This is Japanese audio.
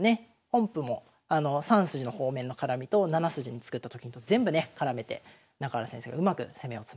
本譜も３筋の方面の絡みと７筋に作ったと金と全部ね絡めて中原先生がうまく攻めをつなげましたね。